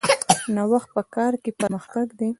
نوښت په کار کې پرمختګ دی